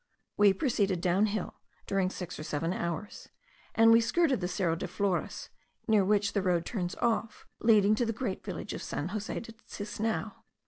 We proceeded down hill during six or seven hours; and we skirted the Cerro de Flores, near which the road turns off, leading to the great village of San Jose de Tisnao.